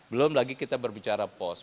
belum lagi kita berbicara pos